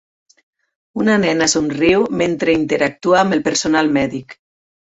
Una nena somriu mentre interactua amb el personal mèdic.